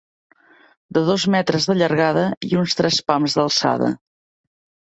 De dos metres de llargada i uns tres pams d'alçada.